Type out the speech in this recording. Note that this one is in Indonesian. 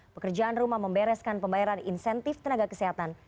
pekerjaan rumah membereskan pembayaran insentif tenaga kesehatan